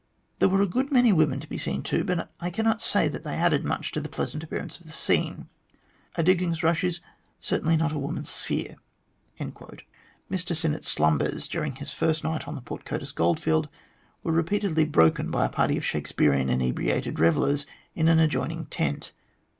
There were a good many women to be seen, too, but I cannot say that they added much to the pleasant appearance of the scene. A diggings rush is certainly not woman's sphere." Mr Sinnett's slumbers during his first night on the Port Curtis goldfield were repeatedly broken by a party of Shakespearian inebriated revellers in an adjoining tent.